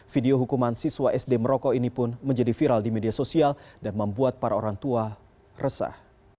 video hukuman siswa sd merokok ini pun menjadi viral di media sosial dan membuat para orang tua resah